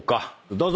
どうぞ！